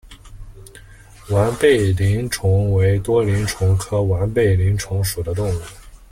完背鳞虫为多鳞虫科完背鳞虫属的动物。